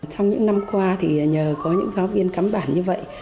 trong những năm qua thì nhờ có những giáo viên cắm bản như vậy